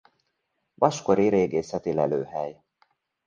Vaskori régészeti lelőhely.